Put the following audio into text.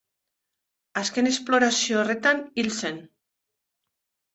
Azken esplorazio horretan hil zen.